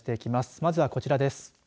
まずはこちらです。